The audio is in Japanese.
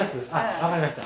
分かりました。